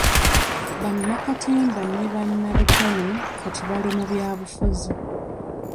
Bannakatemba ne bannabitone kati bali mu byabufuzi.